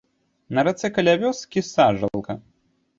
На рацэ каля вёскі сажалка.